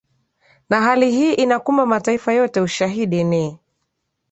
na hali hii inakumba mataifa yote Ushahidi ni